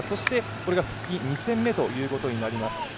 これが復帰２戦目ということになります。